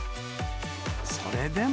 それでも。